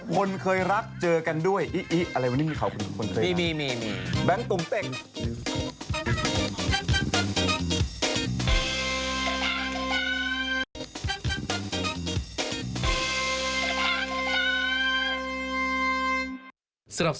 คนเคยรักเจอกันด้วยอี้อะไรวันนี้มีเขาครับ